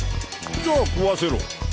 じゃあ食わせろ。